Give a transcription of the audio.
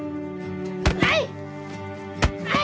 はい！